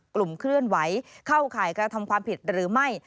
กลุ่มเคลื่อนไหวเข้าข่ายกระทำความผิดหรือไม่